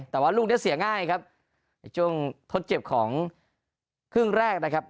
แต่ว่าลูกนี้เสียง่ายครับในช่วงทดเจ็บของครึ่งแรกนะครับ